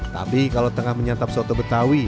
tapi kalau tengah menyantap soto betawi